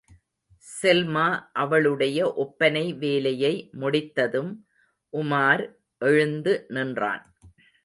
செல்மா அவளுடைய ஒப்பனை வேலையை முடித்ததும் உமார் எழுந்து நின்றான்.